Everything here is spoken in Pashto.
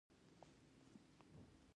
دوی دا پانګه په ګټوره پانګه بدلوي